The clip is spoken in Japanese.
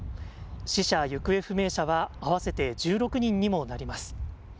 死者・行方不明者は合わせて１６人にもなります。